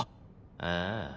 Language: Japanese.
「ああ。